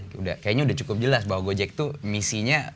kayaknya udah cukup jelas bahwa gojek itu misinya